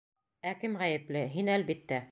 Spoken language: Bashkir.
Ә кем ғәйепле?., һин, әлбиттә.